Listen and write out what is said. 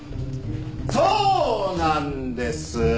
そうなんです！